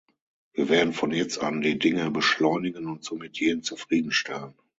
Wir werden von jetzt an die Dinge beschleunigen und somit jeden zufrieden stellen.